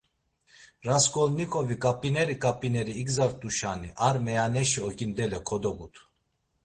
Rasǩolnikovi ǩap̌ineri ǩap̌ineri igzart̆uşani; ar meyaneşi ogindele kodogutu.